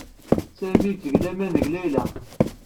Sami yetteg laman deg Layla.